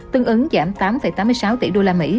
tương ứng giảm tám tám mươi sáu tỷ usd